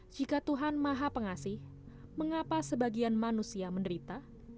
jika tuhan maha pengasih mengapa sebagian manusia menderita